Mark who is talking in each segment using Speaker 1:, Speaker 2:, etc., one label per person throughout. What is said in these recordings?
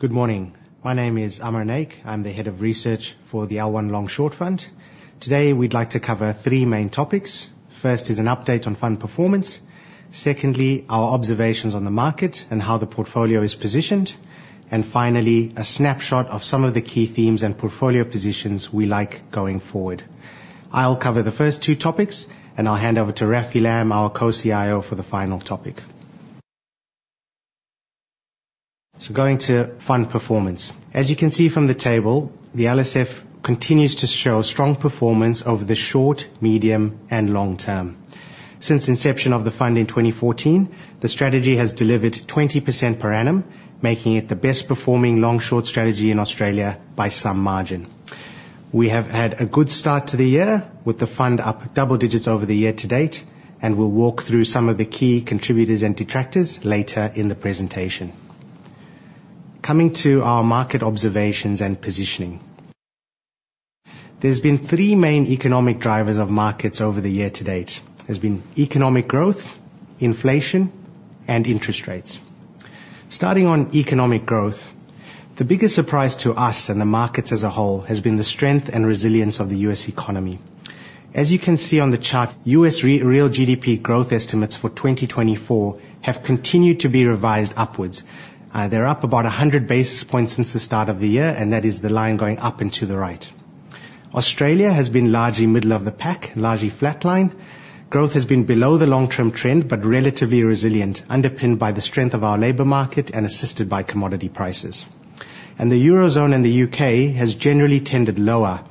Speaker 1: Good morning. My name is Amar Naik. I'm the head of research for the L1 Long Short Fund. Today, we'd like to cover three main topics. First is an update on fund performance, secondly, our observations on the market and how the portfolio is positioned, and finally, a snapshot of some of the key themes and portfolio positions we like going forward. I'll cover the first two topics, and I'll hand over to Rafi Lamm, our co-CIO, for the final topic. So going to fund performance. As you can see from the table, the LSF continues to show strong performance over the short, medium, and long term. Since inception of the fund in 2014, the strategy has delivered 20% per annum, making it the best performing long-short strategy in Australia by some margin. We have had a good start to the year, with the fund up double digits over the year to date, and we'll walk through some of the key contributors and detractors later in the presentation. Coming to our market observations and positioning. There's been three main economic drivers of markets over the year to date. There's been economic growth, inflation, and interest rates. Starting on economic growth, the biggest surprise to us and the markets as a whole has been the strength and resilience of the U.S. economy. As you can see on the chart, U.S. real GDP growth estimates for 2024 have continued to be revised upwards. They're up about 100 basis points since the start of the year, and that is the line going up and to the right. Australia has been largely middle of the pack, largely flatline. Growth has been below the long-term trend, but relatively resilient, underpinned by the strength of our labor market and assisted by commodity prices. The Eurozone and the UK has generally tended lower,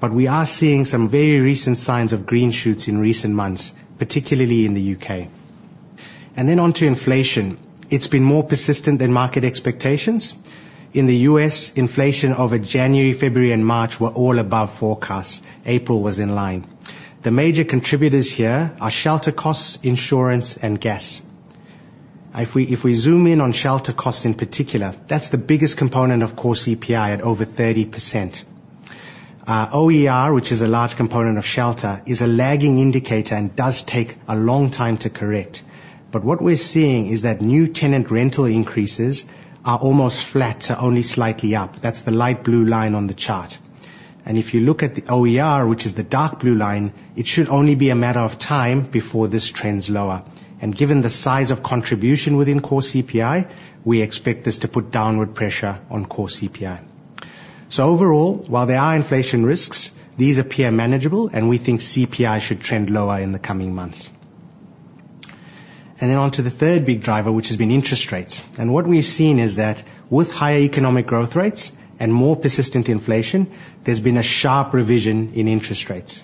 Speaker 1: but we are seeing some very recent signs of green shoots in recent months, particularly in the UK. Then on to inflation. It's been more persistent than market expectations. In the US, inflation over January, February, and March were all above forecast. April was in line. The major contributors here are shelter costs, insurance, and gas. If we, if we zoom in on shelter costs in particular, that's the biggest component of core CPI at over 30%. OER, which is a large component of shelter, is a lagging indicator and does take a long time to correct. But what we're seeing is that new tenant rental increases are almost flat to only slightly up. That's the light blue line on the chart. If you look at the OER, which is the dark blue line, it should only be a matter of time before this trends lower. Given the size of contribution within core CPI, we expect this to put downward pressure on core CPI. Overall, while there are inflation risks, these appear manageable, and we think CPI should trend lower in the coming months. Then on to the third big driver, which has been interest rates. What we've seen is that with higher economic growth rates and more persistent inflation, there's been a sharp revision in interest rates.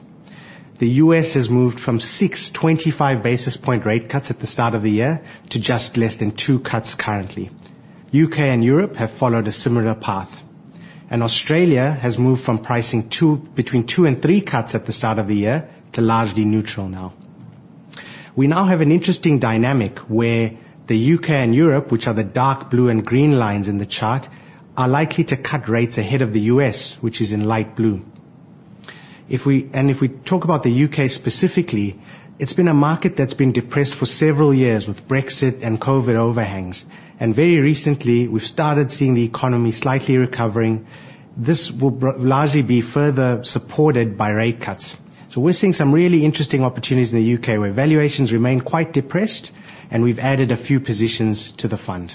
Speaker 1: The U.S. has moved from six 25 basis point rate cuts at the start of the year to just less than two cuts currently. UK and Europe have followed a similar path, and Australia has moved from pricing between 2 and 3 cuts at the start of the year to largely neutral now. We now have an interesting dynamic where the UK and Europe, which are the dark blue and green lines in the chart, are likely to cut rates ahead of the U.S., which is in light blue. And if we talk about the UK specifically, it's been a market that's been depressed for several years with Brexit and COVID overhangs, and very recently, we've started seeing the economy slightly recovering. This will largely be further supported by rate cuts. So we're seeing some really interesting opportunities in the UK, where valuations remain quite depressed, and we've added a few positions to the fund.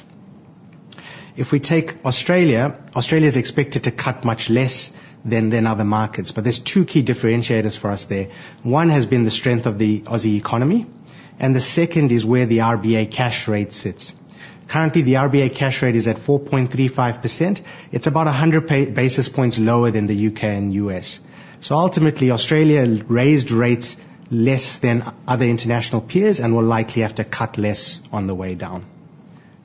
Speaker 1: If we take Australia, Australia is expected to cut much less than other markets, but there's two key differentiators for us there. One has been the strength of the Aussie economy, and the second is where the RBA cash rate sits. Currently, the RBA cash rate is at 4.35%. It's about 100 basis points lower than the U.K. and U.S. So ultimately, Australia raised rates less than other international peers and will likely have to cut less on the way down.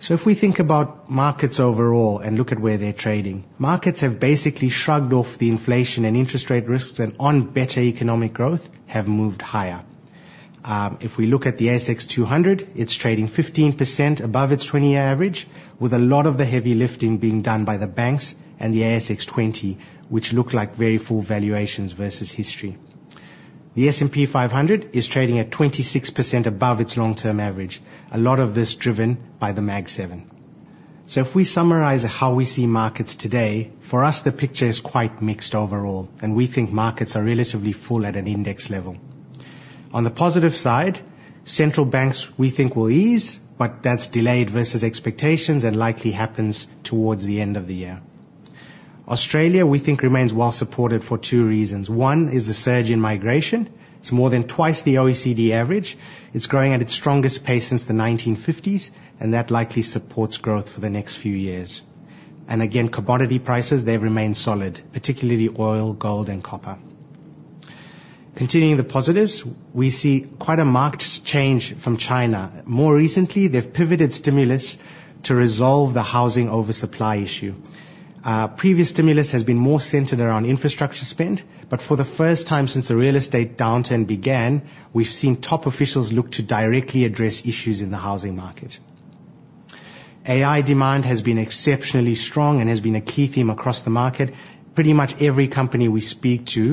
Speaker 1: So if we think about markets overall and look at where they're trading, markets have basically shrugged off the inflation and interest rate risks, and on better economic growth, have moved higher. If we look at the ASX 200, it's trading 15% above its 20-year average, with a lot of the heavy lifting being done by the banks and the ASX 20, which look like very full valuations versus history. The S&P 500 is trading at 26% above its long-term average, a lot of this driven by the Mag Seven. So if we summarize how we see markets today, for us, the picture is quite mixed overall, and we think markets are relatively full at an index level. On the positive side, central banks, we think, will ease, but that's delayed versus expectations and likely happens towards the end of the year. Australia, we think, remains well supported for two reasons. One is the surge in migration. It's more than twice the OECD average. It's growing at its strongest pace since the 1950s, and that likely supports growth for the next few years. Again, commodity prices, they've remained solid, particularly oil, gold, and copper. Continuing the positives, we see quite a marked change from China. More recently, they've pivoted stimulus to resolve the housing oversupply issue. Previous stimulus has been more centered around infrastructure spend, but for the first time since the real estate downturn began, we've seen top officials look to directly address issues in the housing market. AI demand has been exceptionally strong and has been a key theme across the market. Pretty much every company we speak to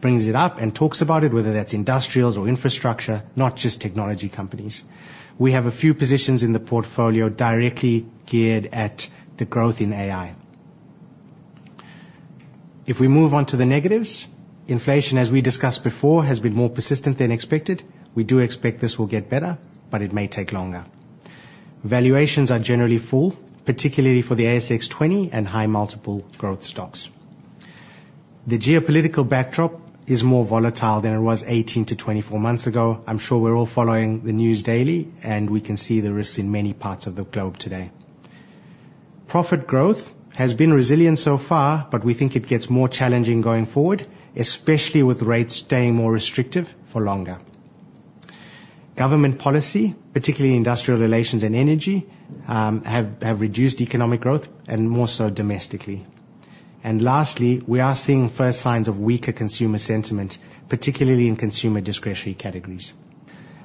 Speaker 1: brings it up and talks about it, whether that's industrials or infrastructure, not just technology companies. We have a few positions in the portfolio directly geared at the growth in AI. If we move on to the negatives, inflation, as we discussed before, has been more persistent than expected. We do expect this will get better, but it may take longer. Valuations are generally full, particularly for the ASX 20 and high multiple growth stocks. The geopolitical backdrop is more volatile than it was 18-24 months ago. I'm sure we're all following the news daily, and we can see the risks in many parts of the globe today. Profit growth has been resilient so far, but we think it gets more challenging going forward, especially with rates staying more restrictive for longer. Government policy, particularly industrial relations and energy, have reduced economic growth and more so domestically. Lastly, we are seeing first signs of weaker consumer sentiment, particularly in consumer discretionary categories.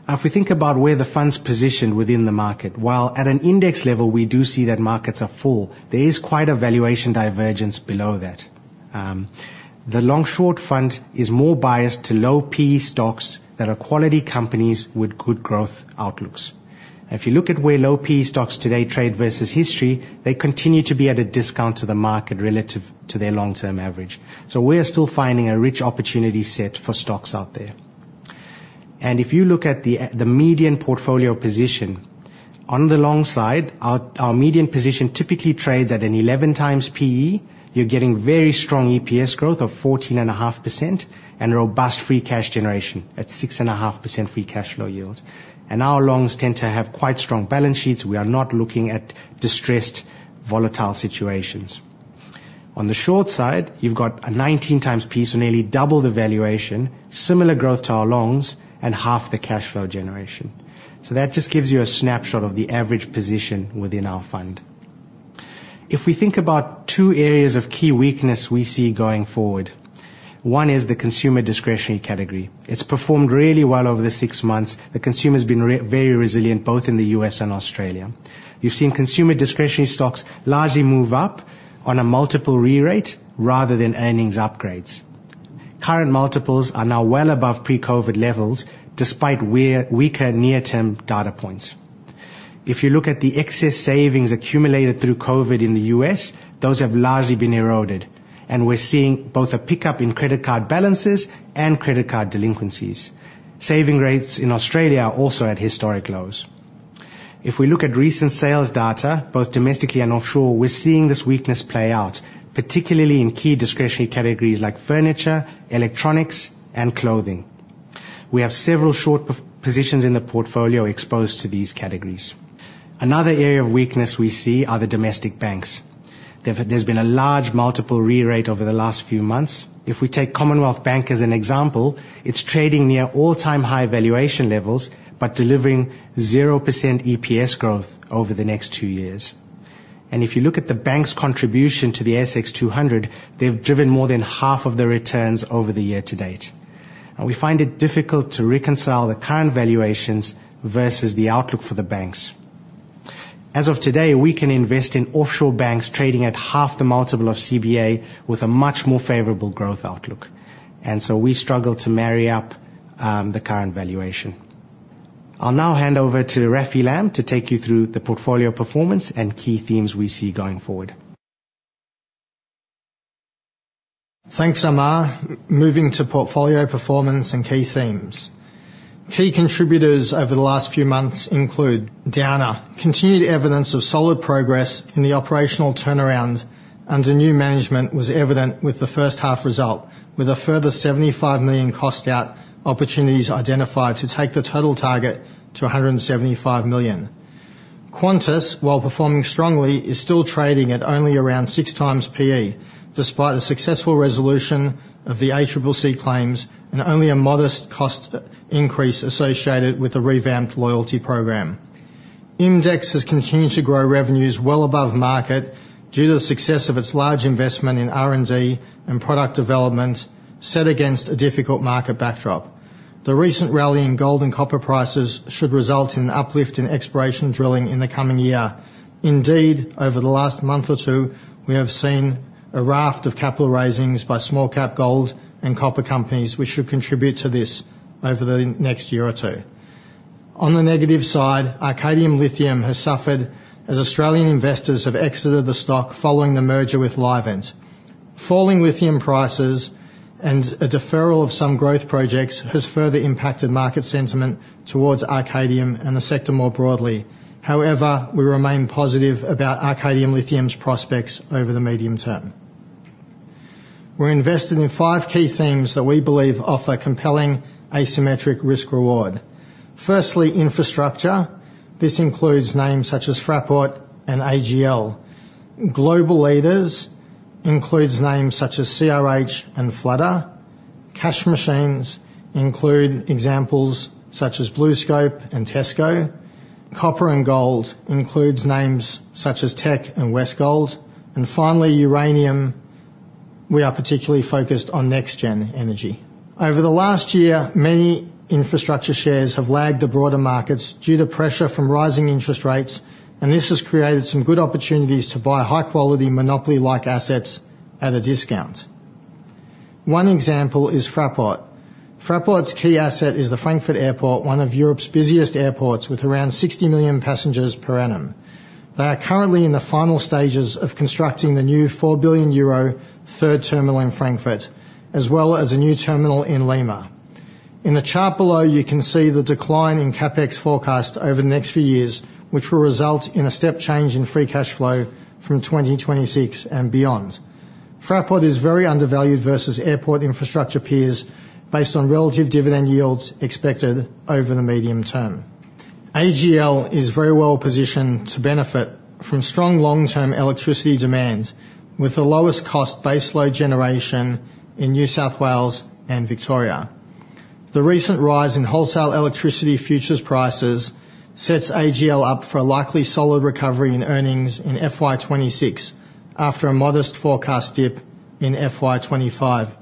Speaker 1: Now, if we think about where the fund's positioned within the market, while at an index level, we do see that markets are full, there is quite a valuation divergence below that. The long-short fund is more biased to low P/E stocks that are quality companies with good growth outlooks. If you look at where low P/E stocks today trade versus history, they continue to be at a discount to the market relative to their long-term average. So we are still finding a rich opportunity set for stocks out there. And if you look at the median portfolio position, on the long side, our median position typically trades at an 11x P/E. You're getting very strong EPS growth of 14.5% and robust free cash generation at 6.5% free cash flow yield. Our longs tend to have quite strong balance sheets. We are not looking at distressed, volatile situations. On the short side, you've got a 19x P/E, so nearly double the valuation, similar growth to our longs, and half the cash flow generation. So that just gives you a snapshot of the average position within our fund. If we think about two areas of key weakness we see going forward, one is the consumer discretionary category. It's performed really well over the six months. The consumer's been really very resilient, both in the U.S. and Australia. You've seen consumer discretionary stocks largely move up on a multiple re-rate rather than earnings upgrades. Current multiples are now well above pre-COVID levels, despite weaker near-term data points. If you look at the excess savings accumulated through COVID in the US, those have largely been eroded, and we're seeing both a pickup in credit card balances and credit card delinquencies. Saving rates in Australia are also at historic lows. If we look at recent sales data, both domestically and offshore, we're seeing this weakness play out, particularly in key discretionary categories like furniture, electronics, and clothing. We have several short positions in the portfolio exposed to these categories. Another area of weakness we see are the domestic banks. There's been a large multiple re-rate over the last few months. If we take Commonwealth Bank as an example, it's trading near all-time high valuation levels, but delivering 0% EPS growth over the next two years. If you look at the bank's contribution to the ASX 200, they've driven more than half of the returns over the year to date. We find it difficult to reconcile the current valuations versus the outlook for the banks. As of today, we can invest in offshore banks trading at half the multiple of CBA with a much more favorable growth outlook. So we struggle to marry up, the current valuation. I'll now hand over to Rafi Lamm to take you through the portfolio performance and key themes we see going forward.
Speaker 2: Thanks, Amar. Moving to portfolio performance and key themes. Key contributors over the last few months include Downer. Continued evidence of solid progress in the operational turnaround under new management was evident with the first half result, with a further 75 million cost out opportunities identified to take the total target to 175 million. Qantas, while performing strongly, is still trading at only around 6x P/E, despite the successful resolution of the ACCC claims and only a modest cost increase associated with the revamped loyalty program. IMDEX has continued to grow revenues well above market due to the success of its large investment in R&D and product development, set against a difficult market backdrop. The recent rally in gold and copper prices should result in an uplift in exploration drilling in the coming year. Indeed, over the last month or two, we have seen a raft of capital raisings by small-cap gold and copper companies, which should contribute to this over the next year or two. On the negative side, Arcadium Lithium has suffered as Australian investors have exited the stock following the merger with Livent. Falling lithium prices and a deferral of some growth projects has further impacted market sentiment towards Arcadium and the sector more broadly. However, we remain positive about Arcadium Lithium's prospects over the medium term. We're invested in five key themes that we believe offer compelling asymmetric risk reward. Firstly, infrastructure. This includes names such as Fraport and AGL. Global leaders includes names such as CRH and Flutter. Cash machines include examples such as BlueScope and Tesco. Copper and gold includes names such as Teck and Westgold. And finally, uranium, we are particularly focused on NexGen Energy. Over the last year, many infrastructure shares have lagged the broader markets due to pressure from rising interest rates, and this has created some good opportunities to buy high-quality, monopoly-like assets at a discount. One example is Fraport. Fraport's key asset is the Frankfurt Airport, one of Europe's busiest airports, with around 60 million passengers per annum. They are currently in the final stages of constructing the new 4 billion euro third terminal in Frankfurt, as well as a new terminal in Lima. In the chart below, you can see the decline in CapEx forecast over the next few years, which will result in a step change in free cash flow from 2026 and beyond. Fraport is very undervalued versus airport infrastructure peers, based on relative dividend yields expected over the medium term. AGL is very well-positioned to benefit from strong long-term electricity demand, with the lowest cost base load generation in New South Wales and Victoria. The recent rise in wholesale electricity futures prices sets AGL up for a likely solid recovery in earnings in FY 2026, after a modest forecast dip in FY 2025.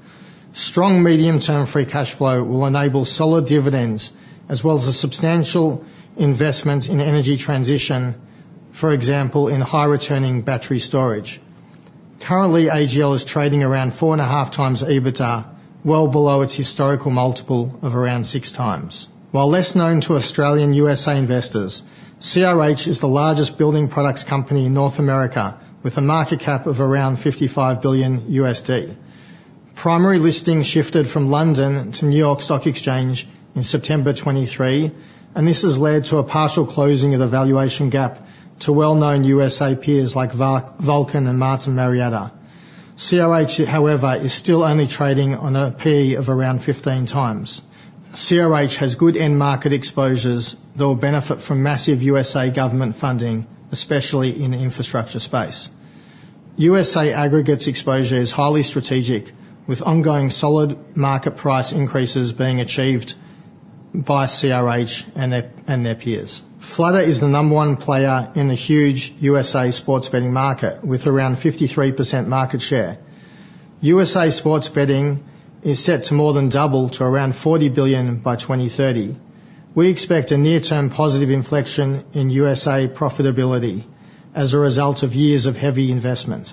Speaker 2: Strong medium-term free cash flow will enable solid dividends, as well as a substantial investment in energy transition, for example, in high-returning battery storage. Currently, AGL is trading around 4.5x EBITDA, well below its historical multiple of around 6x. While less known to Australian US investors, CRH is the largest building products company in North America, with a market cap of around $55 billion. Primary listing shifted from London to New York Stock Exchange in September 2023, and this has led to a partial closing of the valuation gap to well-known USA peers like Vulcan and Martin Marietta. CRH, however, is still only trading on a P/E of around 15x. CRH has good end-market exposures that will benefit from massive USA government funding, especially in the infrastructure space. USA aggregates exposure is highly strategic, with ongoing solid market price increases being achieved by CRH and their peers. Flutter is the number one player in the huge USA sports betting market, with around 53% market share. USA sports betting is set to more than double to around $40 billion by 2030. We expect a near-term positive inflection in USA profitability as a result of years of heavy investment.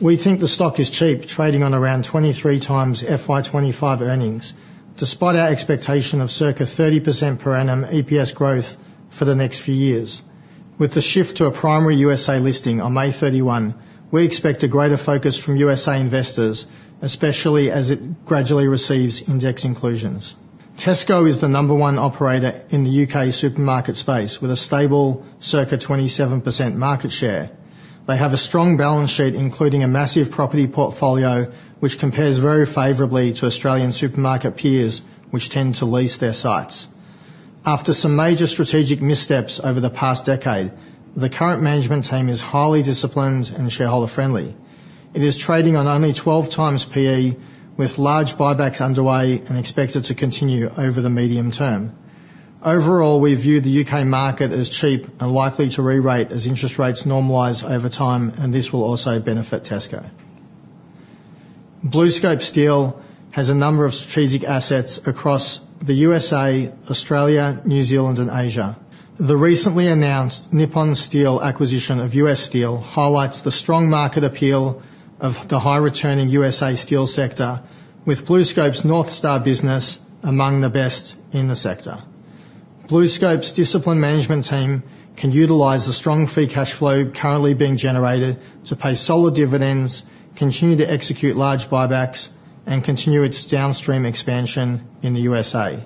Speaker 2: We think the stock is cheap, trading on around 23x FY 2025 earnings, despite our expectation of circa 30% per annum EPS growth for the next few years. With the shift to a primary USA listing on May 31, we expect a greater focus from USA investors, especially as it gradually receives index inclusions. Tesco is the number one operator in the UK supermarket space, with a stable circa 27% market share. They have a strong balance sheet, including a massive property portfolio, which compares very favorably to Australian supermarket peers, which tend to lease their sites. After some major strategic missteps over the past decade, the current management team is highly disciplined and shareholder-friendly. It is trading on only 12x P/E, with large buybacks underway and expected to continue over the medium term. Overall, we view the UK market as cheap and likely to rerate as interest rates normalize over time, and this will also benefit Tesco. BlueScope Steel has a number of strategic assets across the USA, Australia, New Zealand, and Asia. The recently announced Nippon Steel acquisition of U.S. Steel highlights the strong market appeal of the high-returning USA steel sector, with BlueScope's North Star business among the best in the sector. BlueScope's disciplined management team can utilize the strong free cash flow currently being generated to pay solid dividends, continue to execute large buybacks, and continue its downstream expansion in the USA.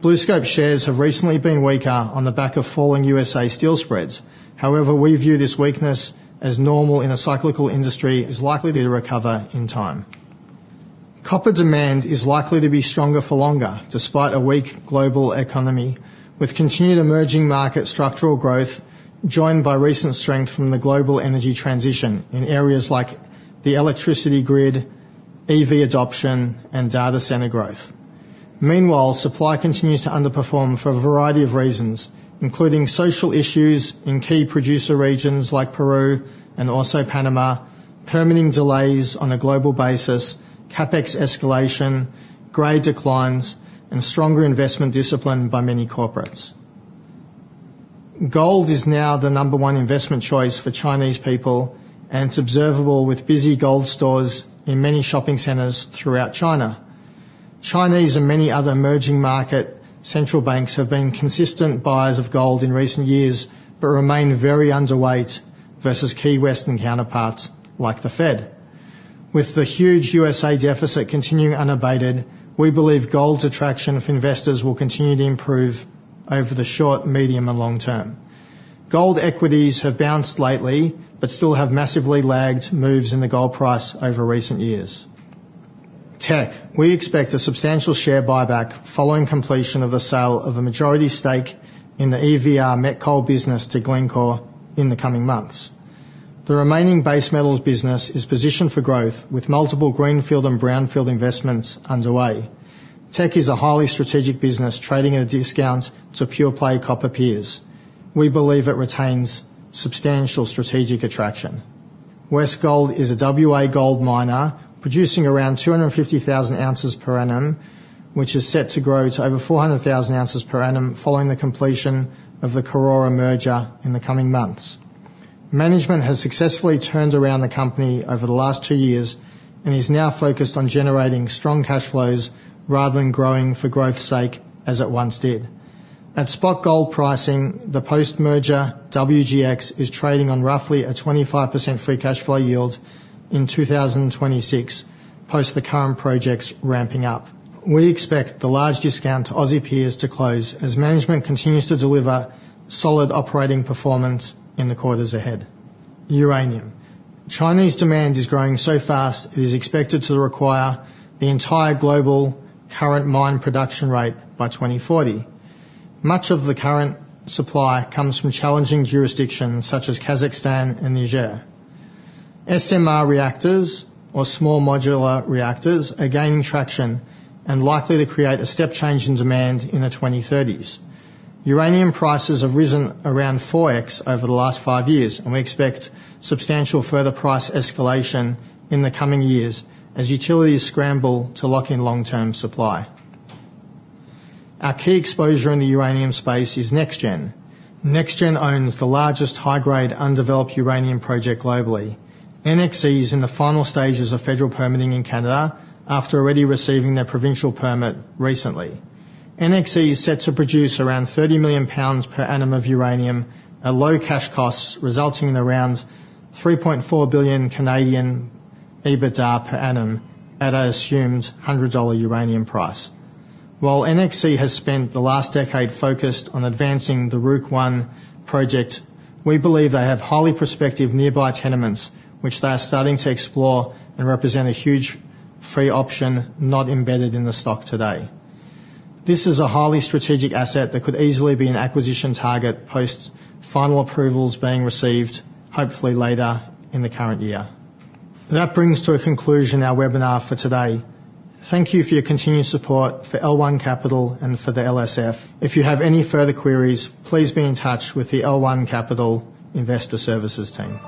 Speaker 2: BlueScope shares have recently been weaker on the back of falling USA steel spreads. However, we view this weakness as normal in a cyclical industry, which is likely to recover in time. Copper demand is likely to be stronger for longer, despite a weak global economy, with continued emerging market structural growth, joined by recent strength from the global energy transition in areas like the electricity grid, EV adoption, and data center growth. Meanwhile, supply continues to underperform for a variety of reasons, including social issues in key producer regions like Peru and also Panama, permitting delays on a global basis, CapEx escalation, grade declines, and stronger investment discipline by many corporates. Gold is now the number one investment choice for Chinese people, and it's observable with busy gold stores in many shopping centers throughout China. Chinese and many other emerging market central banks have been consistent buyers of gold in recent years, but remain very underweight versus key Western counterparts like the Fed. With the huge USA deficit continuing unabated, we believe gold's attraction of investors will continue to improve over the short, medium, and long term. Gold equities have bounced lately, but still have massively lagged moves in the gold price over recent years. Teck. We expect a substantial share buyback following completion of the sale of a majority stake in the EVR met coal business to Glencore in the coming months. The remaining base metals business is positioned for growth, with multiple greenfield and brownfield investments underway. Teck is a highly strategic business, trading at a discount to pure-play copper peers. We believe it retains substantial strategic attraction. Westgold is a WA gold miner, producing around 250,000 ounces per annum, which is set to grow to over 400,000 ounces per annum following the completion of the Karora merger in the coming months.... Management has successfully turned around the company over the last 2 years, and is now focused on generating strong cash flows rather than growing for growth's sake, as it once did. At spot gold pricing, the post-merger WGX is trading on roughly a 25% free cash flow yield in 2026, post the current projects ramping up. We expect the large discount to Aussie peers to close, as management continues to deliver solid operating performance in the quarters ahead. Uranium. Chinese demand is growing so fast, it is expected to require the entire global current mine production rate by 2040. Much of the current supply comes from challenging jurisdictions such as Kazakhstan and Niger. SMR reactors, or small modular reactors, are gaining traction and likely to create a step change in demand in the 2030s. Uranium prices have risen around 4x over the last 5 years, and we expect substantial further price escalation in the coming years as utilities scramble to lock in long-term supply. Our key exposure in the uranium space is NexGen. NexGen owns the largest high-grade, undeveloped uranium project globally. NXC is in the final stages of federal permitting in Canada, after already receiving their provincial permit recently. NXC is set to produce around 30 million pounds per annum of uranium at low cash costs, resulting in around 3.4 billion EBITDA per annum at an assumed $100 uranium price. While NXC has spent the last decade focused on advancing the Rook I project, we believe they have highly prospective nearby tenements, which they are starting to explore and represent a huge free option not embedded in the stock today. This is a highly strategic asset that could easily be an acquisition target post final approvals being received, hopefully later in the current year. That brings to a conclusion our webinar for today. Thank you for your continued support for L1 Capital and for the LSF. If you have any further queries, please be in touch with the L1 Capital Investor Services team.